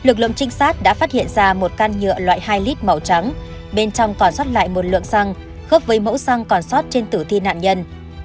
ông trinh sát đã phát hiện ra một căn nhựa loại hai lít màu trắng bên trong còn xót lại một lượng xăng khớp với mẫu xăng còn xót trên tử thi nạn nhân